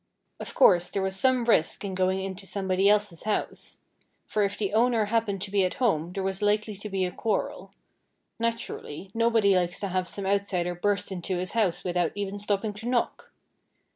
Of course, there was some risk in going into somebody else's house. For if the owner happened to be at home there was likely to be a quarrel. Naturally, nobody likes to have some outsider burst into his house without even stopping to knock.